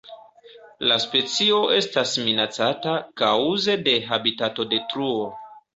La specio estas minacata kaŭze de habitatodetruo.